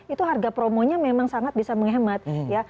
itu harga promonya memang sangat bisa menghemat ya